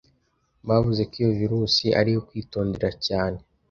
bavuze ko iyo virusi ariyo kwitondera cyane